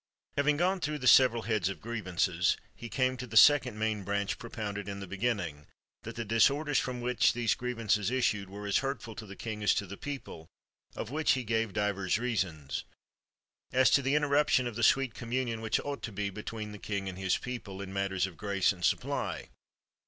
Hav'ng gone through the several heads of grievances, he came to the second main branch propounded in the beginning : that the disorders from whence these grievances issued were as hurtful to the king as to the people, of which he gave divers reasons. As to the interruption of the sweet communion which ought to be betwixt the king and his people, in matters of grace and supply.